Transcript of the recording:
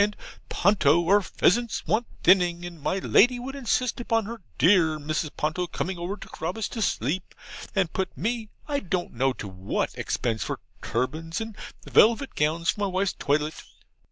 and "Ponto, our pheasants want thinning," and my Lady would insist upon her dear Mrs. Ponto coming over to Carabas to sleep, and put me I don't know to what expense for turbans and velvet gowns for my wife's toilette.